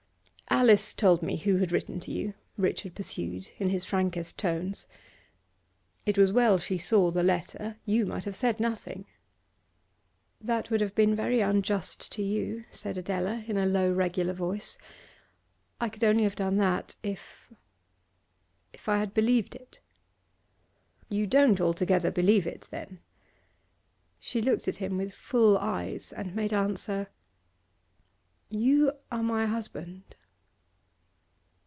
'Alice told me who had written to you,' Richard pursued, in his frankest tones. 'It was well she saw the letter; you might have said nothing.' 'That would have been very unjust to you,' said Adela in a low regular voice. 'I could only have done that if if I had believed it.' 'You don't altogether believe it, then?' She looked at him with full eyes and made answer: 'You are my husband.